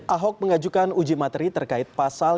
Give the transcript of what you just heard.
ahok mengajukan uji materi terkait pasal